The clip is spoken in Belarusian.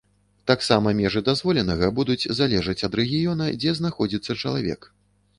Таксама межы дазволенага будуць залежаць ад рэгіёна, дзе знаходзіцца чалавек.